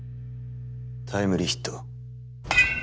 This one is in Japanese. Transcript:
タイムリーヒットを。